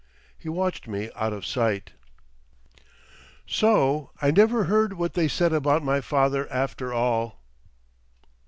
He watched me out of sight. So I never heard what they said about my father after all.